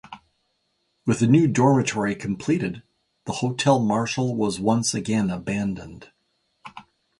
With the new dormitory completed the Hotel Marshall was once again abandoned.